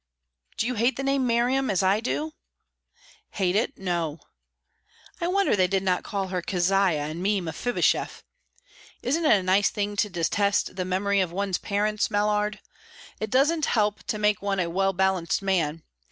"Do you hate the name Miriam, as I do?" "Hate it, no." "I wonder they didn't call her Keziah, and me Mephibosheth. It isn't a nice thing to detest the memory of one's parents, Mallard. It doesn't help to make one a well balanced man.